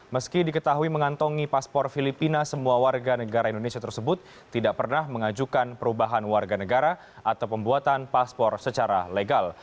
meski diketahui mengantongi paspor filipina semua warga negara indonesia tersebut tidak pernah mengajukan perubahan warga negara atau pembuatan paspor secara legal